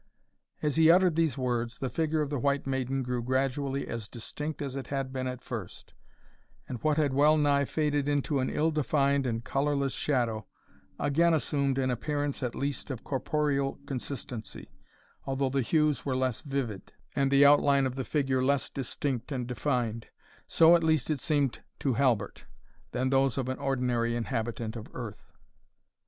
As he uttered these words, the figure of the White Maiden grew gradually as distinct as it had been at first; and what had well nigh faded into an ill defined and colourless shadow, again assumed an appearance at least of corporeal consistency, although the hues were less vivid, and the outline of the figure less distinct and defined so at least it seemed to Halbert than those of an ordinary inhabitant of earth.